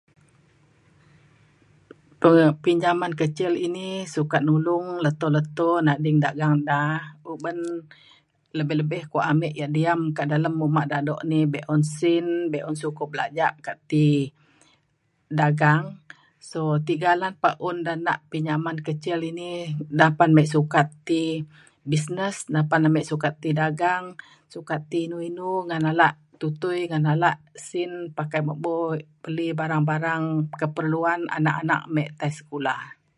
um pinjaman kecil ini sukat nulung leto leto nading dagang da uben lebih lebih kuak amek yang diam ka dalem umak dado ni bek un sin beun sukup belajak ka ti dagang so tiga lah pa un da nak pinjaman kecil ini dapen mek sukat ti business dapen mek sukat ti dagang sukat ti inu inu ngan alak tutui ngan alak sin pakai mebo beli barang barang keperluan anak anak mek tai sikulah.